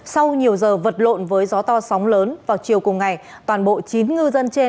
sau nhiều giờ vật lộn với gió to sóng lớn vào chiều cùng ngày toàn bộ chín ngư dân trên